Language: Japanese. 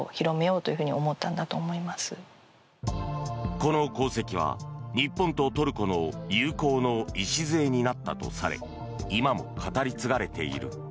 この功績は日本とトルコの友好の礎になったとされ今も語り継がれている。